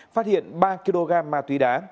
phát hiện ba kg ma túy đá